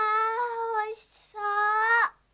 おいしそう。